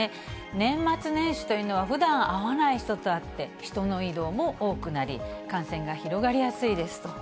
年末年始というのは、ふだん会わない人と会って、人の移動も多くなり、感染が広がりやすいですと。